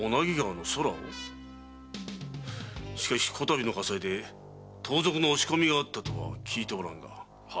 しかしこたびの火災で盗賊の押し込みの話は聞いておらんな。